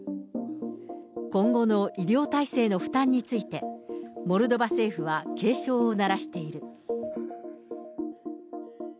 今後の医療体制の負担について、モルドバ政府は、警鐘を鳴らしている。